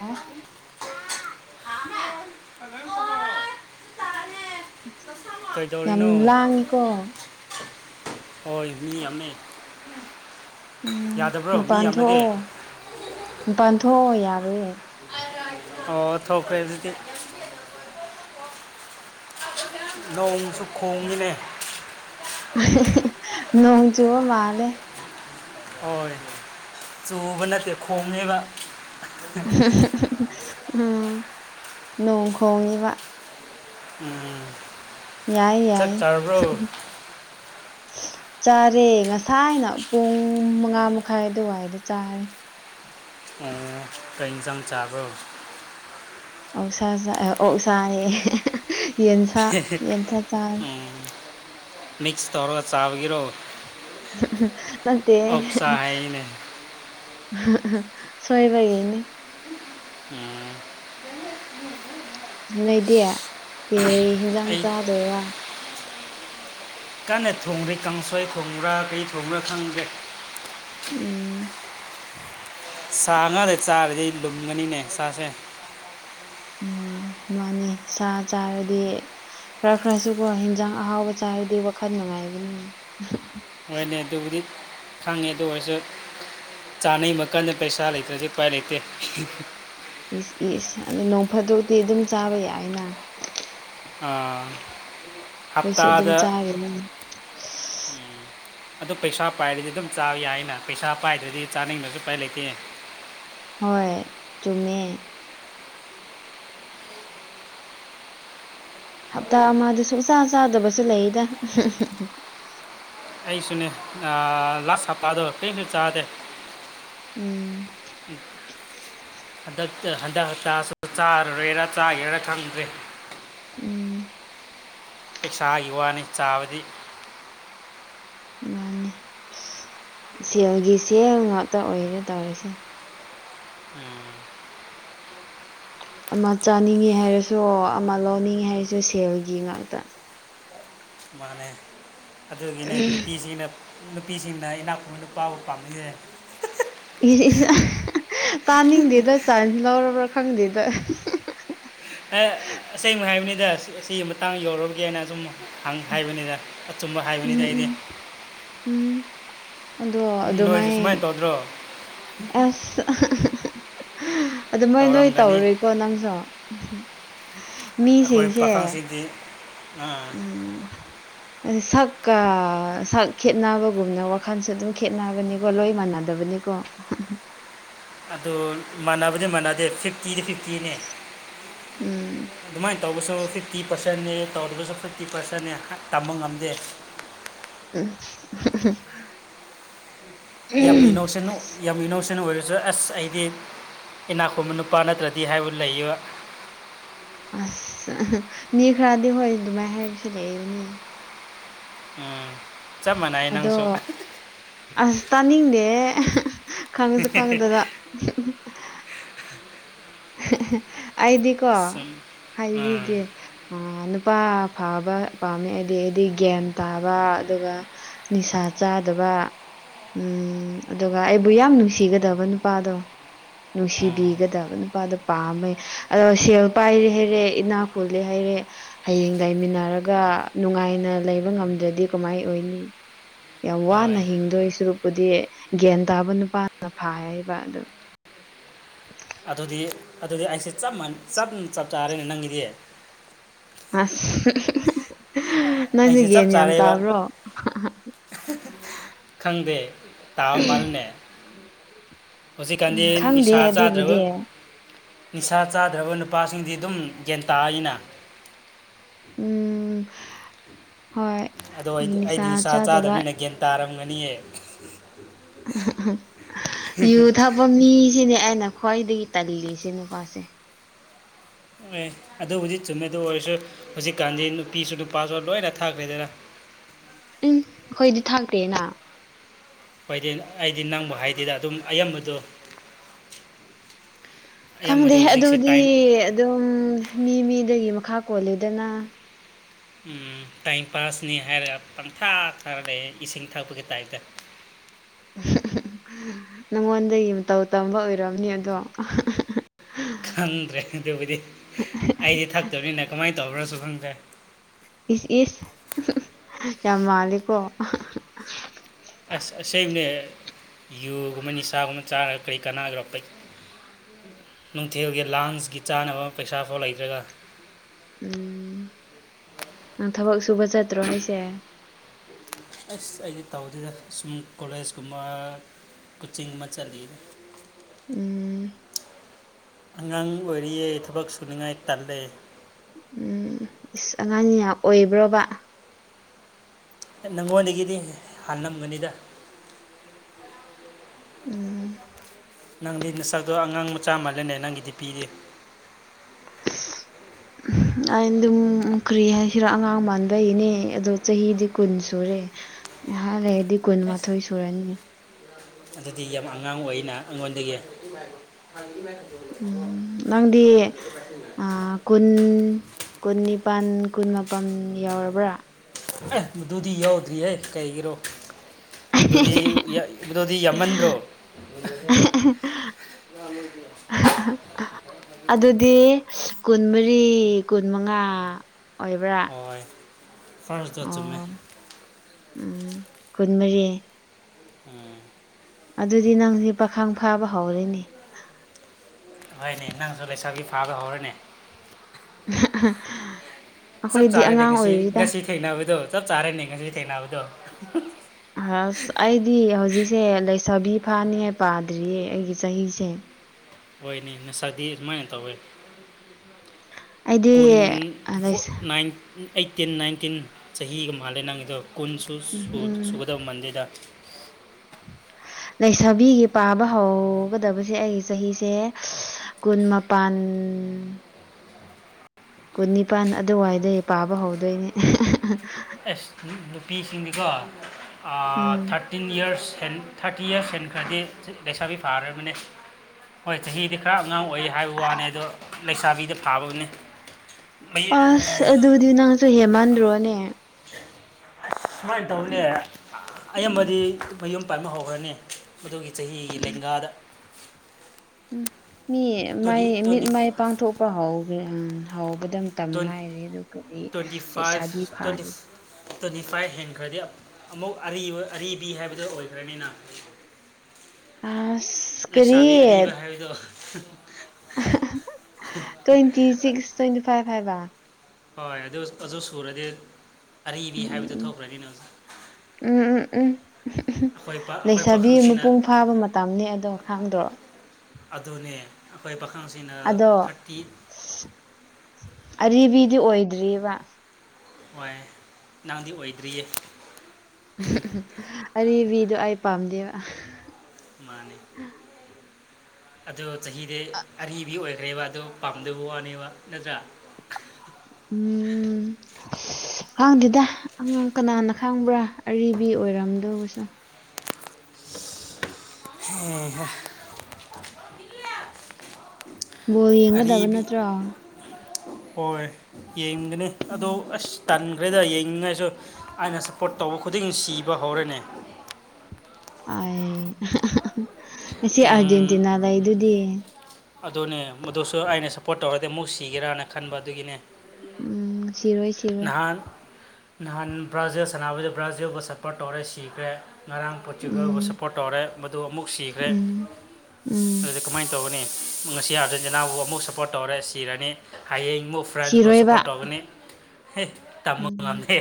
ꯍꯥ [unintelligible] ꯌꯥꯝ ꯀꯩꯗꯧꯔꯤꯅꯣ ꯂꯥꯡꯉꯤꯀꯣ ꯍꯣꯏ ꯃꯤ ꯌꯥꯝꯃꯦ ꯎꯝ ꯌꯥꯗꯕ꯭ꯔꯣ ꯃꯤ ꯃꯄꯥꯟ ꯌꯥꯝꯂꯒꯦ ꯊꯣꯛꯑꯣ ꯃꯄꯥꯟ ꯊꯣꯛꯑꯣ ꯌꯥꯔꯣꯏꯌꯦ ꯑꯣ ꯊꯣꯛꯈ꯭ꯔꯦ ꯑꯗꯨꯗꯤ ꯅꯣꯡꯁꯨ ꯈꯣꯡꯉꯤꯅꯦ ꯅꯣꯡ ꯆꯨꯕ ꯃꯥꯜꯂꯦ ꯍꯣꯏ ꯆꯨꯕ ꯅꯠꯇꯦ ꯈꯣꯡꯉꯦꯕ ꯎꯝ ꯅꯣꯡ ꯈꯣꯡꯉꯤꯕ ꯎꯝ ꯌꯥꯏ ꯆꯥꯛ ꯌꯥꯏ ꯆꯥꯔꯕ꯭ꯔꯣ ꯆꯥꯔꯦ ꯉꯁꯥꯏꯅ ꯄꯨꯡ ꯃꯉꯥ ꯃꯈꯥꯏ ꯑꯗꯨꯋꯥꯏꯗ ꯆꯥꯔꯦ ꯑꯣ ꯀꯩ ꯏꯟꯖꯥꯡ ꯆꯥꯕꯔꯣ ꯑꯣꯛꯁꯥ ꯆꯥꯏ ꯑꯣꯛꯁꯥ ꯍꯥꯏꯌꯦ ꯌꯦꯟꯁꯥ ꯌꯦꯟꯁꯥ ꯆꯥꯔꯦ ꯎꯝ ꯃꯤꯛꯁ ꯇꯧꯔꯒ ꯆꯥꯕꯒꯤꯔꯣ ꯅꯠꯇꯦꯍꯦ ꯑꯣꯛꯁꯥ ꯍꯥꯏꯅꯦ ꯁꯣꯏꯕꯒꯤꯅꯦ ꯑꯣ ꯂꯩꯗꯦ ꯀꯩ ꯍꯤꯟꯖꯥꯡ ꯑꯩ ꯆꯥꯗꯣꯏꯔꯥ ꯀꯟꯅ ꯊꯣꯡꯔꯤ ꯀꯥꯡꯁꯣꯏ ꯊꯣꯡꯕ꯭ꯔꯥ ꯀꯔꯤ ꯊꯣꯡꯕ꯭ꯔꯥ ꯈꯪꯗꯦ ꯎꯝ ꯁꯥ ꯉꯥꯗ ꯆꯥꯕꯗꯤ ꯂꯨꯝꯒꯅꯤꯅꯦ ꯁꯥꯁꯦ ꯎꯝ ꯃꯥꯟꯅꯤ ꯁꯥ ꯆꯥꯔꯗꯤ ꯈꯔ ꯈꯔꯁꯨꯀꯣ ꯍꯤꯟꯖꯥꯡ ꯑꯍꯥꯎꯕ ꯆꯥꯔꯗꯤ ꯋꯥꯈꯜ ꯅꯨꯡꯉꯥꯏꯕꯅꯤ ꯍꯣꯏꯅꯦ ꯑꯗꯨꯕꯨꯗꯤ ꯈꯪꯉꯦ ꯑꯗꯨ ꯑꯣꯏꯔꯁꯨ ꯆꯥꯅꯩ ꯃꯈꯟꯗ ꯄꯩꯁꯥ ꯂꯩꯇ꯭ꯔꯗꯤ ꯎꯄꯥꯏ ꯂꯩꯇꯦ ꯏꯁ ꯏꯁ ꯑꯗꯨ ꯅꯣꯡ ꯐꯗꯣꯛꯇꯤ ꯑꯗꯨꯝ ꯆꯥꯕ ꯌꯥꯏꯅ ꯑꯥ, ꯑꯩꯩꯁꯨ ꯑꯗꯨꯝ ꯍꯞꯇꯥꯗ ꯆꯥꯔꯤꯝꯅꯦ ꯑꯗꯨ ꯄꯩꯁꯥ ꯄꯥꯏꯔꯗꯤ ꯑꯗꯨꯝ ꯆꯥꯕ ꯌꯥꯏꯅ ꯄꯩꯁꯥ ꯄꯥꯏꯗ꯭ꯔꯗꯤ ꯆꯥꯅꯤꯡꯉꯁꯨ ꯎꯄꯥꯏ ꯂꯩꯇꯦ ꯍꯣꯏ ꯆꯨꯃꯦ ꯍꯞꯇꯥ ꯑꯃꯗ ꯁꯨꯛꯆꯥ ꯆꯥꯗꯕꯁꯨ ꯂꯩꯗ [unintelligible] ꯑꯩꯁꯨꯅꯦ ꯑꯥ ꯂꯥꯁ ꯍꯥꯞꯄꯗꯣ ꯀꯔꯤꯁꯨ ꯆꯥꯗꯦ ꯎꯝ [unintelligible] ꯍꯟꯗꯛꯇ ꯍꯟꯗꯛ ꯍꯞꯇꯥꯁꯨ ꯆꯥꯔꯔꯣꯏꯔ ꯆꯥꯒꯦꯔꯥ ꯈꯪꯗ꯭ꯔꯦ ꯎꯝ ꯄꯩꯁꯥꯒꯤ ꯋꯥꯅꯤ ꯆꯥꯕꯗꯤ ꯃꯥꯟꯅꯤ ꯁꯦꯜꯒꯤ ꯁꯦꯜ ꯉꯥꯛꯇ ꯑꯣꯏꯔꯦ ꯇꯧꯔꯤꯁꯦ ꯎꯝ, ꯑꯃ ꯆꯥꯅꯤꯡꯉꯤ ꯍꯥꯏꯔꯁꯨ ꯑꯃ ꯂꯧꯅꯤꯡꯉꯦ ꯍꯥꯏꯔꯁꯨ ꯁꯦꯜꯒꯤ ꯉꯥꯛꯇ ꯃꯥꯅꯦ ꯑꯗꯨꯒꯤꯅꯦ ꯅꯨꯄꯤꯁꯤꯅ ꯅꯨꯄꯤꯁꯤꯡꯅ ꯏꯅꯥꯛ ꯈꯨꯨꯕ ꯅꯨꯄꯥꯕꯨ ꯄꯥꯝꯃꯤꯁꯦ ꯏꯁꯏꯁ ꯀꯥꯅꯤꯡꯗꯦꯗ ꯆꯥꯟꯁ ꯂꯧꯔꯕ꯭ꯔꯥ ꯈꯪꯗꯦꯗ ꯍꯥ ꯑꯁꯦꯡꯕ ꯍꯥꯏꯕꯅꯤꯗ ꯁꯤ ꯃꯇꯥꯡ ꯌꯧꯔꯞꯗꯤ ꯍꯥꯏꯅ ꯑꯁꯨꯝ ꯍꯪ ꯍꯥꯏꯕꯅꯤꯗ ꯑꯆꯨꯝꯕ ꯍꯥꯏꯕꯅꯤꯗ ꯎꯝ ꯑꯩꯗꯤ ꯎꯝ ꯎꯝ ꯑꯗꯣ ꯅꯣꯏꯁꯨ ꯑꯗꯨꯃꯥꯏ ꯁꯨꯃꯥꯏꯅ ꯇꯧꯗ꯭ꯔꯣ ꯑꯦꯁ ꯑꯗꯨ ꯃꯣꯏ ꯂꯣꯏ ꯇꯧꯔꯝꯒꯅꯤ ꯇꯧꯔꯨꯏꯀꯣ ꯅꯪꯁꯨ ꯑꯩꯈꯣꯏ ꯃꯤꯁꯤꯡꯁꯦ ꯄꯥꯈꯪꯁꯤꯡꯗꯤ ꯑꯥ ꯎꯝ ꯑꯁ ꯁꯛꯀ ꯁꯛ ꯈꯦꯠꯅꯕꯒꯨꯝꯅ ꯋꯥꯈꯜꯁꯨ ꯑꯗꯨꯝ ꯈꯦꯠꯅꯕꯅꯤꯀꯣ ꯂꯣꯏ ꯃꯥꯟꯅꯗꯕꯅꯤ ꯀꯣ ꯑꯗꯨ ꯃꯥꯟꯅꯕꯗꯤ ꯃꯥꯟꯅꯗꯦ ꯐꯤꯐ ꯐꯤꯐꯇꯤꯗ ꯐꯤꯐꯇꯤꯅꯦ ꯎꯝ ꯑꯗꯨꯃꯥꯏꯅ ꯇꯧꯕꯁꯨ ꯐꯤꯐꯇꯤ ꯄꯔꯁꯦꯟ ꯁꯟꯅꯦ ꯇꯧꯗꯕꯁꯨ ꯐꯤꯐꯇꯤ ꯄꯥꯔꯁꯟꯅꯦ ꯇꯝꯕ ꯉꯝꯗꯦ [unintelligible] ꯌꯥꯝ ꯏꯅꯣꯁꯦꯟ ꯌꯥꯝꯃꯤꯅꯣꯁꯦꯟ ꯁꯦꯟ ꯑꯣꯏꯔꯁꯨ ꯑꯁ ꯑꯩꯗꯤ ꯏꯅꯥꯛ ꯈꯨꯟꯕ ꯅꯨꯄꯥ ꯅꯠꯇ꯭ꯔꯗꯤ ꯍꯥꯏꯕ ꯂꯩꯏꯕ ꯑꯁ ꯃꯤ ꯈꯔꯗꯤ ꯍꯣꯏ ꯑꯗꯨꯃꯥꯏ ꯍꯥꯏꯕꯁꯨ ꯂꯩꯕꯅꯦ ꯎꯝ ꯆꯞ ꯃꯥꯟꯅꯩ ꯑꯗꯣ ꯅꯪꯁꯨ ꯑꯁ ꯇꯥꯅꯤꯡꯗꯦꯍꯦ ꯈꯪꯉꯁꯨ ꯈꯪꯉꯗꯅ [unintelligible] ꯑꯩꯗꯤꯀꯣ ꯁꯨꯝ ꯎꯝ ꯍꯥꯏꯕꯤꯒꯦ ꯑꯥ ꯅꯨꯄꯥ ꯐꯥꯕ ꯄꯥꯝꯃꯦ ꯍꯥꯏꯗꯤ ꯑꯩꯗꯤ ꯒ꯭ꯌꯥꯟ ꯇꯥꯕ ꯑꯗꯨꯒ ꯅꯤꯁꯥ ꯆꯥꯗꯕ ꯎꯝ ꯑꯗꯨꯒ ꯑꯩꯕꯨ ꯌꯥꯝ ꯅꯨꯡꯁꯤꯒꯗꯕ ꯅꯨꯄꯥꯗꯣ ꯎꯝ ꯅꯨꯡꯁꯤꯕꯤꯒꯗꯕꯅꯣ ꯑꯗꯣ ꯄꯥꯝꯃꯦ ꯑꯗꯣ ꯁꯦꯜ ꯄꯥꯏꯔꯦ ꯍꯥꯏꯔꯦ ꯏꯅꯥꯛ ꯈꯨꯨꯜꯂꯦ ꯍꯥꯏꯔꯦ ꯍꯌꯦꯡ ꯂꯩꯥꯏꯃꯤꯟꯅꯔꯒ ꯅꯨꯡꯉꯥꯏꯅ ꯂꯩꯕ ꯉꯝꯗ꯭ꯔꯗꯤ ꯀꯃꯥꯏ ꯑꯣꯏꯅꯤ ꯌꯥꯝ ꯍꯣꯏ ꯋꯥꯅ ꯍꯤꯡꯗꯣꯏ ꯁꯨꯔꯨꯞꯛꯄꯨꯗꯤ ꯒ꯭ꯌꯥꯟ ꯇꯥꯕ ꯅꯨꯄꯥꯅ ꯐꯥ ꯍꯥꯏꯕ ꯑꯗꯨ ꯑꯗꯨꯗꯤ ꯑꯗꯨꯗꯤ ꯑꯩꯁꯦꯞ ꯆꯞ ꯆꯥꯔꯦꯅꯦ ꯅꯪꯒꯤꯗꯤ ꯑꯁ ꯍꯤꯍꯤꯍꯤ ꯅꯪꯁꯦ ꯑꯩꯁꯦ ꯆꯞ ꯒꯟ ꯌꯥꯝ ꯆꯥꯔꯦꯕ ꯇꯥꯕ꯭ꯔꯣ ꯈꯪꯗꯦ ꯇꯥꯕꯃꯥꯜꯂꯦꯅꯦ ꯍꯧꯖꯤꯛꯀꯥꯟꯗꯤ ꯎꯝ ꯈꯪꯗꯦ ꯅꯤꯁꯥ ꯆꯥꯗ꯭ꯔꯕ ꯑꯗꯨꯕꯨꯗꯤ ꯅꯤꯁꯥ ꯆꯥꯗ꯭ꯔꯕ ꯅꯨꯄꯥꯁꯤꯡꯗꯤ ꯑꯗꯨꯝ ꯒ꯭ꯌꯥꯟ ꯇꯥꯏꯅ ꯎꯝ ꯍꯣꯏ ꯑꯗꯣ ꯑꯩ ꯑꯩꯗꯤ ꯅꯤꯁꯥ ꯆꯥꯗꯕꯅꯤꯅ ꯒ꯭ꯌꯥꯟ ꯇꯥꯔꯝꯒꯅꯤꯌꯦ ꯑꯥꯍꯥꯍꯥ ꯎꯝꯝ ꯌꯨ ꯊꯄ ꯃꯤꯁꯤꯅꯦ ꯑꯩ ꯩꯅ ꯈ꯭ꯋꯥꯏꯗꯒꯤ ꯇꯜꯂꯤ ꯁꯤ ꯅꯨꯄꯥꯁꯦ ꯑꯦ ꯑꯗꯨ ꯍꯧꯖꯤꯛ ꯆꯨꯝꯃꯤꯗ ꯑꯣꯏꯔꯁꯨ ꯍꯧꯖꯤꯛꯀꯥꯟꯗꯤ ꯅꯨꯄꯤꯁꯨ ꯅꯨꯄꯥꯁꯨ ꯂꯣꯏꯅ ꯊꯥꯛꯈ꯭ꯔꯦꯗꯅ [inaudible] ꯎꯝ ꯑꯩꯈꯣꯏꯗꯤ ꯊꯥꯛꯇꯦꯅ ꯍꯥꯏꯗꯤ ꯑꯩꯗꯤ ꯅꯪꯕ ꯍꯥꯏꯗꯦꯗ ꯑꯗꯨꯝ ꯑꯌꯥꯝꯕꯗꯣ ꯈꯪꯗꯦ ꯑꯌꯥꯝꯕꯗꯤ ꯍꯧꯖꯤꯛꯁꯦ ꯑꯗꯨꯗꯤ ꯇꯥꯏꯝ ꯑꯗꯨꯝ ꯃꯤ ꯃꯤꯗꯒꯤ ꯈꯥ ꯄꯣꯜꯂꯦꯗꯅ ꯂꯩꯗꯅ ꯎꯝ ꯇꯥꯏꯝ ꯄꯥꯁꯅꯤ ꯍꯥꯏꯔꯒ ꯄꯪꯊꯥ ꯈꯥꯔ ꯂꯩ ꯏꯁꯤꯡ ꯊꯛꯄꯒꯤ ꯇꯥꯏꯞꯇ [inaudible] ꯑꯍꯪ ꯑꯍꯥ ꯍꯥꯍꯥ ꯅꯪꯉꯣꯟꯗꯒꯤ ꯃꯇꯧ ꯇꯝꯕ ꯑꯣꯏꯝꯅꯤ ꯑꯗꯣ ꯈꯪꯗ꯭ꯔꯦ ꯑꯗꯨꯕꯨꯗꯤ ꯑꯩꯗꯤ ꯊꯛꯇꯕꯅꯤꯅ ꯀꯃꯥꯏꯅ ꯇꯧꯕ꯭ꯔꯁꯨ ꯈꯪꯗ꯭ꯔꯦ ꯏꯁ ꯏꯁ ꯌꯥꯝ ꯃꯥꯂꯤꯀꯣ ꯑꯁ ꯑꯁꯦꯡꯕꯅꯦ ꯌꯨꯒꯨꯝꯕ ꯅꯤꯁꯥꯒꯨꯝꯕ ꯆꯥꯔꯒ ꯀꯔꯤ ꯀꯅꯥꯒꯦꯔꯣ ꯅꯨꯡꯊꯤꯜꯒꯤ ꯂꯥꯟꯁꯀꯤ ꯆꯥꯅꯕ ꯄꯩꯁꯥꯐꯥꯎ ꯂꯩꯇ꯭ꯔꯒ ꯎꯝ ꯅꯪ ꯊꯕꯛ ꯁꯨꯕ ꯆꯠꯇ꯭ꯔꯣ ꯍꯥꯏꯁꯦ ꯑꯁ ꯑꯩꯗꯤ ꯇꯥꯎꯗꯦꯗ ꯁꯨꯝ ꯀꯣꯂꯦꯖꯀꯨꯝꯕ ꯀꯨꯆꯤꯡ ꯑꯃ ꯆꯠꯂꯤ ꯎꯝ ꯑꯉꯥꯡ ꯑꯣꯏꯔꯤꯌꯦ ꯊꯕꯛ ꯁꯨꯅꯤꯉꯥꯏ ꯇꯜꯂꯦ ꯎꯝ ꯏꯁ ꯑꯉꯥꯡꯅꯤ ꯌꯥꯝ ꯑꯣꯏꯕ꯭ꯔꯣꯕ ꯅꯪꯉꯣꯟꯗꯒꯤꯗꯤ ꯍꯥꯟꯂꯝꯒꯅꯤꯗ ꯎꯝ ꯅꯪꯗꯤ ꯅꯁꯛꯗꯣ ꯑꯉꯥꯡ ꯃꯆꯥ ꯃꯥꯜꯂꯅꯦ ꯅꯪꯒꯤꯗꯤ ꯄꯤ ꯒꯤ ꯑꯩꯅ ꯑꯗꯨꯝ ꯀ꯭ꯔꯤ ꯍꯥꯏꯁꯤꯔ ꯑꯉꯥꯡ ꯃꯥꯟꯕꯩꯅꯦ ꯑꯗꯣ ꯆꯍꯤꯗꯤ ꯀꯨꯟ ꯁꯨꯔ ꯉꯥꯏꯍꯛ ꯂꯩꯗꯤ ꯑꯁ ꯀꯨꯟꯃꯥꯊꯣꯏ ꯁꯨꯔꯅꯤ ꯑꯗꯨꯗꯤ ꯌꯥꯝ ꯑꯉꯥꯡ ꯑꯣꯏꯅ ꯑꯩꯉꯣꯟꯗꯒꯤ ꯎꯝ ꯅꯪꯗꯤ ꯑꯥ ꯀꯨꯟ ꯀꯨꯟꯅꯤ ꯅꯤꯄꯥꯟ ꯀꯨꯟ ꯃꯥꯄꯟ ꯌꯥꯎꯔꯕ꯭ꯔꯥ ꯑꯦ ꯑꯗꯨꯗꯤ ꯌꯥꯎꯗ꯭ꯔꯤꯍꯦ ꯀꯩꯒꯤꯔꯣ ꯑꯗꯨꯗꯤ ꯑꯗꯨꯗꯤ ꯌꯥꯝꯃꯟꯗ꯭ꯔꯣ [unintelligible] ꯑꯗꯨꯗꯤ ꯀꯨꯟꯃꯔꯤ ꯀꯨꯟ ꯃꯉꯥ ꯍꯣꯏ ꯐꯥꯔꯁꯇꯣ ꯆꯨꯝꯃꯦ ꯑꯣ ꯎꯝ ꯀꯨꯟ ꯃꯔꯤ ꯎꯝ ꯑꯗꯨꯗꯤ ꯅꯪꯁꯦ ꯄꯥꯈꯈꯪ ꯐꯥꯕ ꯍꯧꯔꯦꯅꯤ ꯍꯣꯏꯅꯦ ꯅꯪꯁꯨ ꯂꯩꯁꯥꯕꯤ ꯐꯥꯕ ꯍꯧꯔꯅꯦ [unintelligible] ꯆꯞ ꯑꯩꯈꯣꯏꯗꯤ ꯆꯥꯔꯦꯅꯦ ꯑꯉꯥꯡ ꯉꯁꯤ ꯑꯣꯏꯔꯤꯗ ꯉꯁꯤ ꯊꯦꯡꯅꯕꯗꯣ ꯆꯞ ꯆꯥꯔꯅꯦ ꯉꯁꯤ ꯊꯦꯡꯅꯕꯗꯣ ꯑꯁ ꯑꯩꯗꯤ ꯍꯧꯖꯤꯛꯁꯦ ꯂꯩ ꯁꯥꯕꯤ ꯐꯥꯅꯤꯌꯦ ꯄꯥꯗ꯭ꯔꯤꯌꯦ ꯑꯩꯒꯤ ꯆꯍꯤꯁꯦ ꯑꯣꯏꯅꯤ ꯅꯁꯥꯛꯗꯤ ꯁꯨꯃꯥꯏꯅ ꯇꯧꯋꯦ ꯑꯩꯗꯤ ꯀꯨꯟ ꯐꯣ ꯂꯩꯁꯥ ꯅꯥꯏꯟ ꯑꯩꯠꯇꯤꯟ ꯅꯥꯏꯟꯇꯤꯟ ꯆꯍꯤꯒ ꯃꯥꯜꯂꯦ ꯅꯪꯒꯤꯗꯣ ꯀꯨꯟꯁꯨ ꯎꯝ ꯎꯝ ꯁꯨꯒꯗꯕ ꯃꯟꯗꯦꯗ [inaudible] ꯂꯩꯁꯥꯕꯤꯒꯤ ꯄꯥꯕ ꯍꯧꯒꯗꯕꯁꯦ ꯑꯩꯒꯤ ꯆꯍꯤꯁꯦ ꯀꯨꯟ ꯃꯄꯥꯟ ꯀꯨꯟ ꯅꯤꯄꯥꯥꯟ ꯑꯗꯨꯋꯥꯏꯗꯩ ꯄꯥꯕ ꯍꯧꯗꯣꯏꯅꯦ ꯑꯦꯁ ꯅꯨꯄꯤꯁꯤꯡꯗꯤꯀꯣ ꯑꯥ ꯎꯝ ꯊꯥꯔꯇꯤꯟ ꯌ꯭ꯔꯁ ꯑꯟ ꯊꯥꯔꯇꯤ ꯌ꯭ꯔꯁ ꯍꯦꯟꯈ꯭ꯔꯗꯤ ꯂꯩꯁꯥꯕꯤ ꯐꯥꯔꯕꯅꯦ ꯍꯣꯏ ꯆꯍꯤꯗꯤ ꯈꯔ ꯑꯉꯥꯡ ꯑꯣꯏ ꯍꯥꯏꯕ ꯋꯥꯅꯦ ꯗꯨ ꯂꯩꯁꯥꯕꯤꯗꯤ ꯐꯥꯕꯅꯦ ꯑꯁ ꯃꯌꯦꯛ ꯑꯗꯨꯗꯤ ꯅꯪꯁꯨ ꯍꯦꯃꯟꯗ꯭ꯔꯣꯅꯦ ꯑꯁ ꯁꯨꯃꯥꯏꯅ ꯇꯧꯅꯦ ꯎꯝ ꯑꯌꯥꯝꯕꯗꯤ ꯃꯌꯨꯝ ꯄꯥꯟꯕ ꯍꯧꯈ꯭ꯔꯅꯤ ꯃꯗꯨꯒꯤ ꯆꯍꯤꯒꯤ ꯂꯦꯡꯒꯥꯗ ꯃꯤ ꯇ꯭ꯋꯦꯟꯇꯤ ꯃꯥꯏ ꯃꯤꯠ ꯇ꯭ꯋꯦꯟꯇꯤ ꯃꯥꯏ ꯄꯥꯡꯊꯣꯛꯄ ꯍꯥꯎꯒꯦ ꯎꯝ ꯍꯥꯎꯕ ꯀꯗ꯭ꯔ ꯃꯇꯝ ꯍꯥꯏꯔꯦ ꯑꯗꯨꯒꯗꯤ ꯇ꯭ꯋꯦꯟꯇꯤ ꯐꯥꯏꯚ ꯂꯩꯁꯥꯕꯤ ꯇ꯭ꯋꯦꯟꯇꯤ ꯐꯥꯔꯦ ꯇ꯭ꯋꯦꯟꯇꯤ ꯐꯥꯏꯚ ꯍꯦꯟꯈ꯭ꯔꯗꯤ ꯑꯃꯨꯛ ꯑꯔꯤꯕ ꯑꯔꯤꯕꯤ ꯍꯥꯏꯕꯗꯣ ꯑꯣꯏꯈ꯭ꯔꯅꯤꯅ [inaudible] ꯑꯁ ꯀꯔꯤ ꯂꯩꯁꯥꯕꯤ ꯑꯔꯤꯕ ꯍꯥꯏꯕꯗꯣ ꯇ꯭ꯋꯦꯟꯇꯤ ꯁꯤꯛꯁ ꯇ꯭ꯋꯦꯟꯇꯤ ꯐꯥꯏꯚ ꯍꯥꯏꯕ ꯍꯣꯏ ꯑꯗꯨ ꯑꯗꯨ ꯁꯨꯔꯗꯤ ꯑꯔꯤꯕꯤ ꯎꯝ ꯎꯝ ꯍꯥꯏꯕꯗꯨ ꯊꯣꯛꯈ꯭ꯔꯅꯤꯅ ꯎꯝ ꯎꯝ ꯎꯝ ꯎꯝ ꯑꯩꯈꯣꯏ ꯄꯥ- ꯑꯩꯈꯣꯏ ꯂꯩꯁꯥꯕꯤ ꯄꯥꯈꯪꯁꯤꯅ ꯃꯄꯨꯡ ꯐꯥꯕ ꯃꯇꯝꯅꯦ ꯑꯗꯣ ꯈꯥꯡꯗ꯭ꯔꯣ ꯑꯗꯨꯅꯦ ꯑꯩꯈꯣꯏ ꯄꯥꯈꯪꯁꯤꯅ ꯊꯥꯔꯇꯤ ꯑꯔꯤꯕꯤꯗꯤ ꯑꯣꯏꯗ꯭ꯔꯤꯕ ꯍꯣꯏ ꯅꯪꯗꯤ ꯑꯣꯏꯗ꯭ꯔꯤꯌꯦ ꯑꯔꯤꯕꯤꯗꯣ ꯑꯩ ꯄꯥꯝꯗꯦꯕ ꯑꯗꯣ ꯆꯍꯤꯗꯤ ꯑꯔꯤꯕꯤ ꯑꯣꯏꯈ꯭ꯔꯦꯕ ꯗꯣ ꯄꯥꯝꯗꯕ ꯋꯥꯅꯦꯕ ꯅꯠꯇ꯭ꯔꯥ ꯎꯝ ꯈꯪꯗꯦꯗ ꯑꯉꯥꯡ ꯀꯅꯥꯅ ꯈꯪꯕ꯭ꯔꯥ ꯑꯔꯤꯕꯤ ꯑꯣꯏꯔꯝꯗꯧꯕꯁꯨ ꯍꯦꯍꯥ ꯕꯣꯜ ꯌꯦꯡꯒꯗꯕ ꯅꯠꯇ꯭ꯔꯣ ꯍꯣꯏ ꯌꯦꯡꯒꯅꯤ ꯑꯗꯣ ꯑꯁ ꯇꯟꯈ꯭ꯔꯦꯗ ꯌꯦꯡꯅꯤꯡꯉꯥꯏꯁꯨ ꯑꯩꯅ ꯁꯞꯄꯣꯔꯠ ꯇꯧꯕ ꯈꯨꯗꯤꯡ ꯁꯤꯕ ꯍꯧꯔꯦꯅꯦ ꯑꯩ ꯉꯁꯤ ꯎꯝ, ꯑꯥꯔꯖꯦꯟꯇꯤꯅꯥ ꯂꯩ ꯗꯨꯗꯤ ꯑꯗꯨꯅꯦ ꯃꯗꯨꯁꯨ ꯑꯩꯅ ꯁꯞꯄꯣꯔꯠ ꯇꯧꯔꯗꯤ ꯑꯃꯨꯛ ꯁꯤꯒꯦꯔꯥꯅ ꯈꯟꯕ ꯑꯗꯨꯒꯤꯅꯦ ꯎꯝ ꯁꯤꯔꯣꯏ ꯁꯤꯔꯣꯏ ꯅꯍꯥꯟ ꯅꯍꯥꯟ ꯕ꯭ꯔꯥꯖꯤꯜ ꯁꯥꯟꯅꯕꯗ ꯕ꯭ꯔꯥꯖꯤꯜꯕꯨ ꯁ꯭ꯞꯄꯣꯔꯠ ꯇꯧꯔꯦ ꯁꯤꯈ꯭ꯔꯦ ꯉꯔꯥꯡ ꯄꯣꯠꯇꯨꯒꯜꯕꯨ ꯎꯝ ꯁꯞꯄꯣꯔꯠ ꯇꯧꯔꯦ ꯃꯗꯨ ꯑꯃꯨꯛ ꯁꯤꯈ꯭ꯔꯦ ꯎꯝ ꯎꯝ ꯑꯗꯨꯗꯤ ꯀꯃꯥꯏꯅ ꯇꯧꯒꯅꯤ ꯉꯁꯤ ꯑꯥꯔꯖꯦꯟꯇꯤꯅꯥꯕꯨ ꯑꯃꯨꯛ ꯁꯞꯄꯣꯔꯠ ꯇꯧꯔꯦ ꯁꯤꯔꯅꯤ ꯍꯌꯦꯡꯕꯨ ꯐ꯭ꯔꯦꯟꯁꯄꯨ ꯁꯞꯄꯣꯔꯠ ꯊꯤꯔꯣꯏꯕ ꯇꯧꯒꯅꯤ ꯇꯝꯕ ꯎꯝ ꯉꯝꯗꯦ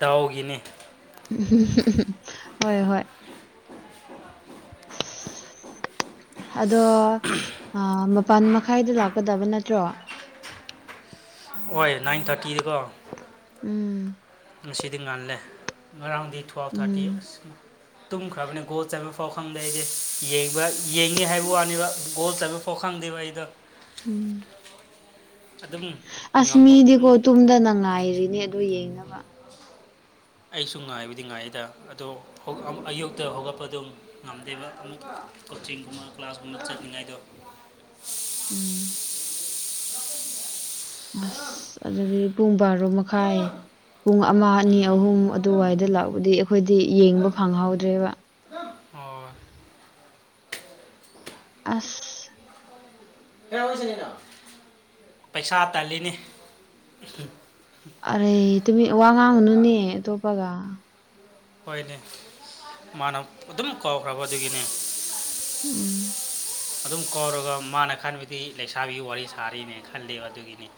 ꯗꯥꯎꯒꯤꯅꯤ ꯍꯣꯏ ꯍꯣꯏ ꯑꯗꯣ ꯑꯥ ꯃꯄꯥꯟ ꯃꯈꯥꯏꯗ ꯂꯥꯛꯀꯗꯕ ꯅꯠꯇ꯭ꯔꯣ ꯍꯣꯏ ꯅꯥꯏꯟ ꯊꯥꯔꯇꯤꯗꯀꯣ ꯎꯝ ꯉꯁꯤꯗꯤ ꯉꯜꯂꯦ ꯉꯔꯥꯡꯗꯤ ꯇꯨ ꯑꯦꯜ ꯊꯥꯔꯇꯤ ꯎꯝ ꯑꯁ ꯇꯨꯝꯈ꯭ꯔꯕꯅꯤ ꯒꯣꯜ ꯆꯥꯟꯕ ꯄꯥꯎ ꯈꯪꯗꯦ ꯑꯩꯗꯤ ꯌꯦꯕ ꯌꯦꯡꯉꯤ ꯍꯥꯏꯕ ꯋꯥꯅꯤꯕ ꯒꯣꯜ ꯆꯥꯟꯕ ꯐꯥꯎ ꯈꯪꯗ ꯗꯦꯕ ꯑꯩꯗꯣ ꯎꯝ ꯑꯗꯨꯝ ꯑꯁ ꯉꯝꯕ ꯃꯤꯗꯤꯀꯣ ꯇꯨꯝꯗꯅ ꯉꯥꯏꯔꯤꯅꯦ ꯑꯗꯨ ꯌꯦꯡꯅꯕ ꯑꯩꯁꯨ ꯉꯥꯏꯕꯨꯗꯤ ꯉꯥꯏꯗ ꯑꯗꯣ ꯑꯌꯨꯛꯇ ꯍꯧꯒꯠꯄꯗꯣ ꯉꯝꯗꯦꯕ ꯀꯣꯆꯤꯡꯒꯨꯝꯕ ꯀ꯭ꯂꯥꯁꯀꯨꯝꯕ ꯆꯠꯅꯤꯡꯉꯥꯏꯗꯣ ꯎꯝ ꯑꯁ ꯑꯗꯨꯗꯤ ꯄꯨꯡ ꯕꯥꯔꯣ ꯃꯈꯥꯏ ꯄꯨꯡ ꯑꯃ ꯑꯅꯤ ꯎꯝ ꯑꯍꯨꯝ ꯑꯗꯨꯋꯥꯏꯗ ꯂꯥꯛꯄꯗꯤ ꯑꯩꯈꯣꯏꯗꯤ ꯌꯦꯡꯕ ꯐꯪꯍꯧꯗ꯭ꯔꯦꯕ ꯑꯣ ꯑꯁ ꯄꯩꯁꯥ ꯇꯥꯜꯂꯤꯅꯦ ꯑꯔꯦ ꯇꯨꯃꯤ ꯃꯤ ꯋꯥ ꯉꯥꯡꯒꯅꯨꯅꯦ ꯑꯇꯣꯞꯄꯒ ꯍꯣꯏꯅꯦ ꯃꯥꯅ ꯑꯗꯨꯝ ꯀꯥꯎꯈ꯭ꯔꯕ ꯑꯗꯨꯒꯤꯅꯦ ꯎꯝ ꯑꯗꯨꯝ ꯀꯧꯔꯒ ꯃꯥꯅ ꯈꯟꯕꯗꯤ ꯂꯩꯁꯥꯕꯤꯒꯤ ꯋꯥꯔꯤ ꯁꯥꯔꯤꯅꯦ ꯈꯜꯂꯤꯕ ꯑꯗꯨꯒꯤꯅꯤ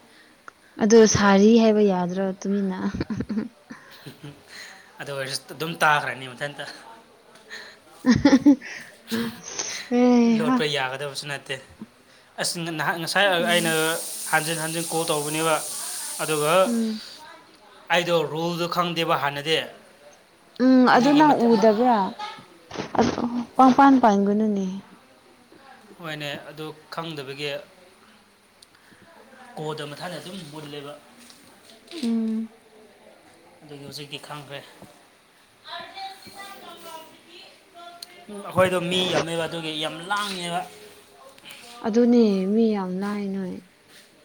ꯑꯗꯨ ꯑꯗꯣ ꯁꯥꯔꯤ ꯍꯥꯏꯕ ꯌꯥꯗ꯭ꯔꯣ ꯇꯨꯃꯤꯟꯅ ꯍꯝꯍꯝ ꯑꯗꯨ ꯑꯣꯏꯔꯁꯨ ꯑꯗꯨꯝ ꯇꯥꯈ꯭ꯔꯅꯤ ꯃꯊꯟꯇ [unintelligible] ꯂꯣꯠꯄ ꯌꯥꯒꯗꯕꯁꯨ ꯅꯠꯇꯦ ꯑꯁ ꯅꯍꯥꯛ ꯉꯁꯥꯏ ꯑꯩꯅ ꯎꯝ ꯍꯟꯖꯤꯟ ꯍꯟꯖꯤꯟ ꯀꯣꯜ ꯇꯧꯕꯅꯦꯕ ꯑꯗꯨꯒ ꯎꯝ ꯑꯩꯗꯣ ꯔꯨꯜꯗꯣ ꯈꯪꯗꯦꯕ ꯍꯥꯟꯅꯗꯤ ꯎꯝ ꯑꯗꯨ ꯑꯗꯨꯒꯤ ꯅꯪ ꯃꯊ- ꯃ- ꯎꯗꯕ꯭ꯔꯥ ꯑꯣ ꯄꯪꯄꯟ ꯄꯟꯒꯅꯨꯅꯦ ꯍꯣꯏꯅꯦ ꯑꯗꯨ ꯈꯪꯗꯕꯒꯤ ꯀꯣꯗ ꯃꯊꯥꯗ ꯑꯗꯨꯝ ꯃꯨꯗ ꯂꯩꯕ ꯎꯝ ꯑꯗꯨꯒꯤ ꯍꯧꯖꯤꯛꯀꯤ ꯈꯪꯈ꯭ꯔꯦ ꯑꯩꯈꯣꯏꯗꯣ ꯃꯤ ꯌꯥꯝꯃꯦꯕ ꯑꯗꯨꯒꯤ ꯌꯥꯝ ꯂꯥꯡꯉꯦꯕ ꯑꯗꯨꯅꯦ ꯃꯤ ꯌꯥꯝ ꯂꯥꯡꯉꯦ ꯅꯣꯏ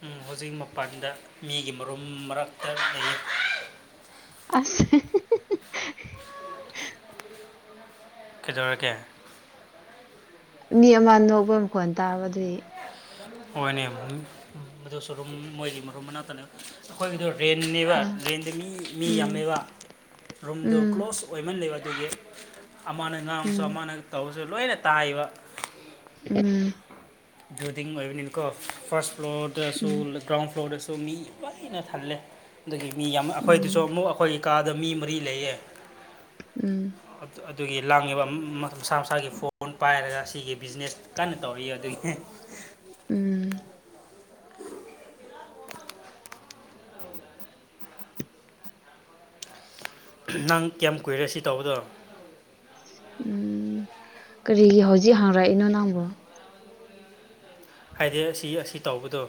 ꯑꯥ ꯍꯧꯖꯤꯛ ꯃꯄꯥꯟꯗ ꯃꯤꯒꯤ ꯃꯔꯨꯝ ꯃꯔꯛꯇ ꯂꯩꯔꯤ ꯑꯁ ꯀꯩꯗꯧꯔꯒꯦ ꯃꯤ ꯑꯃ ꯅꯣꯛꯄ ꯃꯈꯣꯟꯜ ꯇꯥꯕ ꯑꯗꯨꯗꯤ ꯍꯣꯏꯅꯦ ꯃꯁꯨꯨꯝ ꯃꯣꯏꯒꯤ ꯃꯔꯨꯝ ꯃꯅꯥꯛꯇꯅꯦ ꯑꯩꯈꯣꯏꯒꯤꯗꯣ ꯔꯦꯟꯅꯦꯕ ꯎꯝ ꯔꯦꯟꯗ ꯃꯤ ꯃꯤ ꯎꯝ ꯌꯥꯝꯃꯦꯕ ꯔꯨꯝꯗꯣ ꯎꯝ ꯀ꯭ꯂꯣꯁ ꯑꯣꯏꯃꯜ ꯂꯦꯕ ꯑꯗꯨꯗꯒꯤ ꯑꯃꯅ ꯉꯥꯡꯕꯁꯨ ꯑꯃꯅ ꯇꯧꯔꯁꯨ ꯂꯣꯏꯅ ꯇꯥꯏꯕ ꯎꯝ ꯕꯤꯜꯗꯤꯡ ꯑꯣꯏꯕꯅꯤꯅꯀꯣ ꯐꯔꯁ ꯐ꯭ꯂꯣꯔ ꯗꯁꯨ ꯎꯝ ꯒ꯭ꯔꯥꯎꯟ ꯐ꯭ꯂꯣꯔ ꯗꯁꯨ ꯁꯨ ꯃꯤ ꯂꯣꯏꯅ ꯊꯜꯂꯦ ꯑꯗꯨꯗꯒꯤ ꯃꯤ ꯌꯥꯝ ꯎꯝ ꯎꯝ ꯑꯩꯈꯣꯏꯗꯁꯨ ꯑꯃꯨꯛ ꯑꯩꯈꯣꯏ ꯑꯀꯥꯗ ꯃꯤ ꯃꯔꯤ ꯂꯩꯌꯦ ꯎꯝ ꯑꯗꯨ- ꯑꯗꯨꯒꯤ ꯂꯥꯡꯉꯤꯕ ꯃꯁꯥ ꯃꯁꯥꯒꯤ ꯐꯣꯟ ꯄꯥꯏꯔꯒ ꯑꯁꯤꯒꯤꯒꯤ ꯕꯤꯖꯤꯅꯦꯁ ꯀꯟꯅ ꯇꯧꯔꯤꯌꯦ ꯑꯗꯨꯒꯤ ꯍ [unintelligible] ꯎꯝ [unintelligible] ꯅꯪ ꯀꯌꯥꯝ ꯀꯨꯏꯔꯦ ꯁꯤ ꯇꯧꯕꯗꯣ ꯎꯝ ꯀꯔꯤꯒꯤ ꯍꯧꯖꯤꯛ ꯍꯪꯔꯛꯏꯅꯣ ꯅꯪꯕꯨ ꯍꯥꯏꯗꯤ ꯑꯁꯤ ꯑꯁꯤ ꯇꯧꯕꯗꯨ